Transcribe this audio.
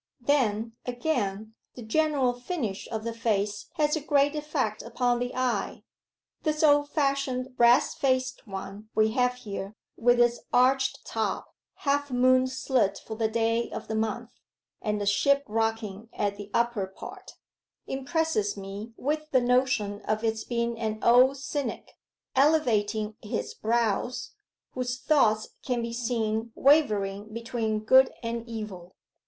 'Then, again, the general finish of the face has a great effect upon the eye. This old fashioned brass faced one we have here, with its arched top, half moon slit for the day of the month, and ship rocking at the upper part, impresses me with the notion of its being an old cynic, elevating his brows, whose thoughts can be seen wavering between good and evil.